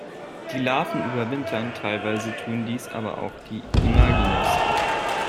Die Larven überwintern, teilweise tun dies aber auch die Imagines.